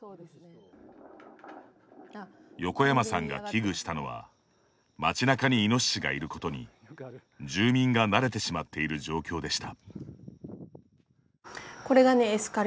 横山さんが危惧したのは街なかにイノシシがいることに住民が慣れてしまっている状況でした。